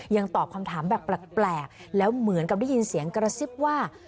ตอบคำถามแบบแปลกแล้วเหมือนกับได้ยินเสียงกระซิบว่า